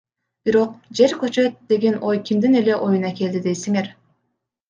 Бирок, жер көчөт деген ой кимдин эле оюна келди дейсиңер.